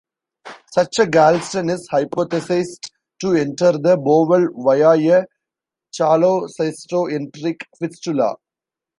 Such a gallstone is hypothesized to enter the bowel via a cholecysto-enteric fistula.